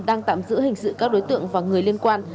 đang tạm giữ hình sự các đối tượng và người liên quan